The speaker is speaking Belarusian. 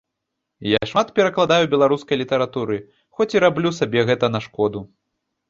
Я шмат перакладаю беларускай літаратуры, хоць і раблю сабе гэта на шкоду.